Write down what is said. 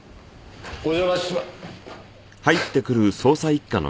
お邪魔しま。